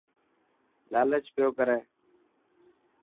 لالچ پيو ڪري.